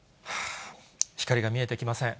光が見えてきません。